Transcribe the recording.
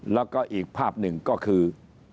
แล้วก็อีกภาพหนึ่งก็คือ